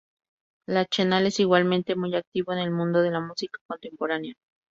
Lachenal es igualmente muy activo en el mundo de la música contemporánea.